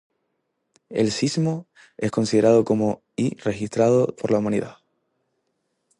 El sismo es considerado como y registrado por la humanidad.